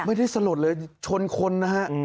ไม่ได้สลดเลยชนคนนะฮะ